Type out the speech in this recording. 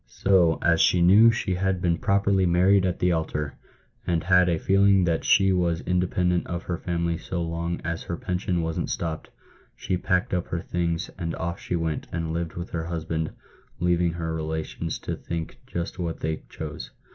So, as she knew she had been properly married at the altar, and had a feeling that she was independent of her family so long as her pension wasn't stopped, she packed up her things, and oif she went, and lived with her husband, leaving her relations to think just what they chose."